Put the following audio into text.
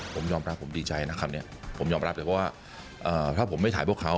ผมยอมรับผมดีใจนะคำนี้ผมยอมรับเลยเพราะว่าถ้าผมไม่ถ่ายพวกเขา